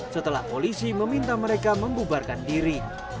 setelah polisi meminta mereka membubarkan diri